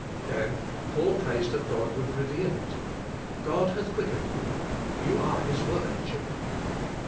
Then Paul prays that God would reveal it. "God hath quickened you," "You are His workmanship."